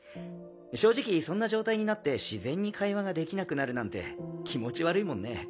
正直そんな状態になって自然に会話ができなくなるなんて気持ち悪いもんね。